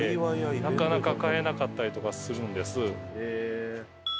なかなか買えなかったりとかするんです。